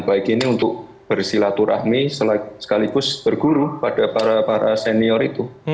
baik ini untuk bersilaturahmi sekaligus berguru pada para para senior itu